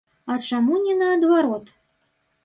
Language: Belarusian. А чаму не наадварот?